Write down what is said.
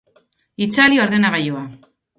Itzali ordenagailua.